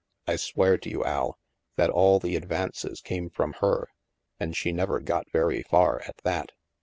I swear to you, Al, that all the advances came from her, and she never got very far, at that."